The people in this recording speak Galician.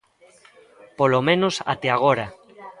Polo menos até agora.